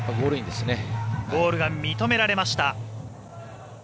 ゴールが認められました。